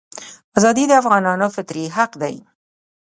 ازادي د افغانانو فطري حق دی.